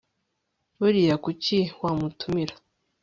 Buriya kuki wamutumira